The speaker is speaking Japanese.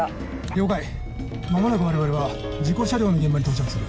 了解間もなく我々は事故車両の現場に到着する。